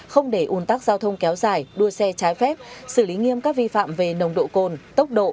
không để ủn tắc giao thông kéo dài đua xe trái phép xử lý nghiêm các vi phạm về nồng độ cồn tốc độ